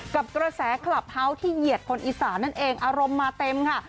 กับกระแสคลับเฮาส์ที่เหยียดคนอีสานนั่นเองอารมณ์มาเต็มค่ะ